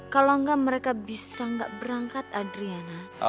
kalau enggak mereka bisa nggak berangkat adriana